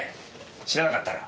知らなかったろ？